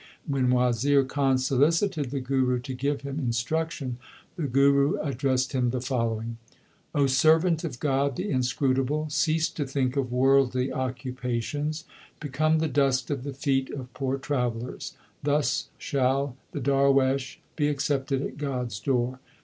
When Wazir Khan solicited the Guru to give him in struction the Guru addressed him the following : servant of God the Inscrutable, Cease to think of worldly occupations. Become the dust of the feet of poor travellers ; thus shall the darwesh be accepted at God s door.